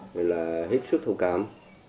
rồi là hết sức thù cảm